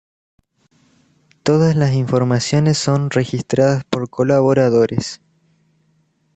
Todas las informaciones son registradas por colaboradores.